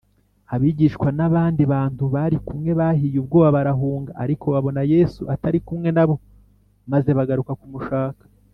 abigishwa n’abandi bantu bari kumwe bahiye ubwoba barahunga, ariko babona yesu atari kumwe na bo maze bagaruka kumushaka